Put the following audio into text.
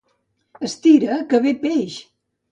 Estira, que ve peix!